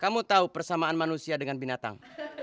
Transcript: kamu tahu persamaan manusia dengan binatang